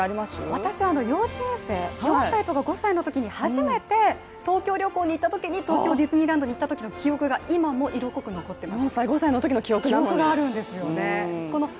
私は幼稚園生、３歳とか５歳のときに、初めて東京旅行に行ったときに、東京ディズニーランドに行った記憶が今も色濃く残っています。